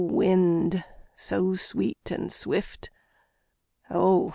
wind so sweet and swift, O!